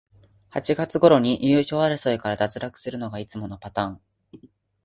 八月ごろに優勝争いから脱落するのがいつものパターン